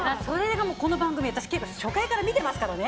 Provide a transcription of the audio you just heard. この番組初回から見てますからね。